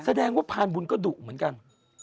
แสดงว่าพานบุญก็ดุเหมือนกัน